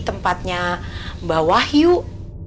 tempatnya bawah yuk